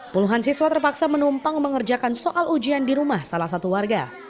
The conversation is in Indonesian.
puluhan siswa terpaksa menumpang mengerjakan soal ujian di rumah salah satu warga